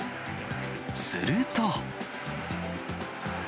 すると。